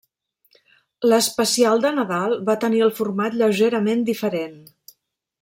L'especial de Nadal va tenir el format lleugerament diferent.